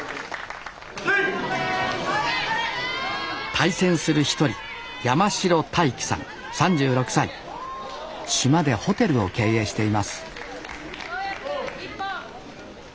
対戦する一人島でホテルを経営しています・そうやくん１本。